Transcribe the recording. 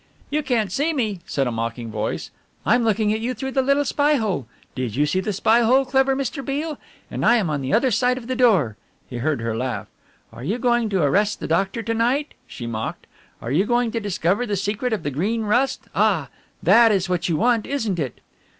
"You can't see me," said a mocking voice, "I'm looking at you through the little spy hole. Did you see the spy hole, clever Mr. Beale? And I am on the other side of the door." He heard her laugh. "Are you going to arrest the doctor to night?" she mocked. "Are you going to discover the secret of the Green Rust ah! That is what you want, isn't it?"